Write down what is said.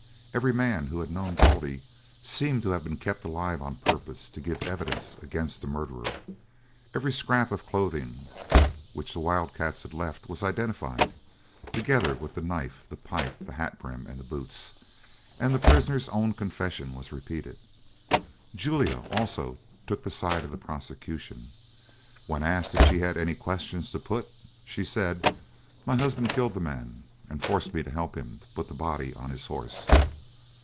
Every man who had known Baldy seemed to have been kept alive on purpose to give evidence against the murderer. Every scrap of clothing which the wild cats had left was identified, together with the knife, the pipe, the hat brim, and the boots; and the prisoner's own confession was repeated. Julia also took the side of the prosecution. When asked if she had any questions to put, she said, "My husband killed the man, and forced me to help him to put the body on his horse."